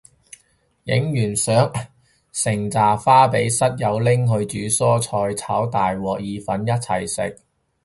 影完相成紮花俾室友拎去煮蔬菜炒大鑊意粉一齊食